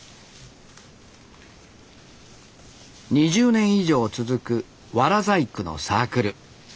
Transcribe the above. ２０年以上続くワラ細工のサークル。